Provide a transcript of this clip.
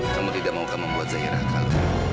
kamu tidak mau membuat zahira akal